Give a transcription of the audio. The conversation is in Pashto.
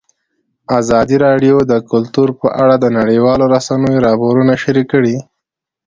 ازادي راډیو د کلتور په اړه د نړیوالو رسنیو راپورونه شریک کړي.